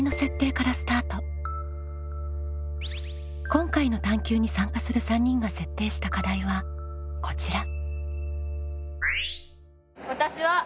今回の探究に参加する３人が設定した課題はこちら。